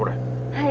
はい。